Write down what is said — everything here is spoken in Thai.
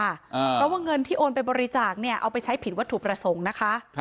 เพราะว่าเงินที่โอนไปบริจาคเนี่ยเอาไปใช้ผิดวัตถุประสงค์นะคะ